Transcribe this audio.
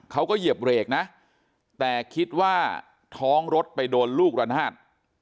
เหยียบเบรกนะแต่คิดว่าท้องรถไปโดนลูกระนาด